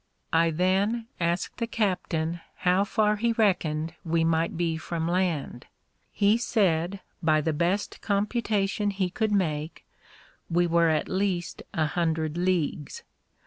I then asked the captain how far he reckoned we might be from land? He said, by the best computation he could make, we were at least a hundred leagues.